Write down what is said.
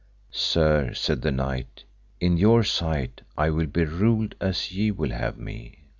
Sir, said the knight, in your sight I will be ruled as ye will have me.